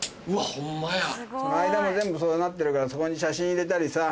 間も全部そうなってるからそこに写真入れたりさ。